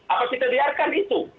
apa kita biarkan itu